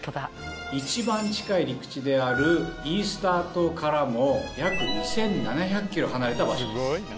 一番近い陸地であるイースター島からも約２７００ｋｍ離れた場所です。